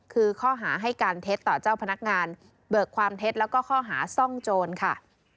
คือข้อหาให้การเท็จต่อเจ้าพนักงานเบิกความเท็จแล้วก็ข้อหาซ่องโจรค่ะ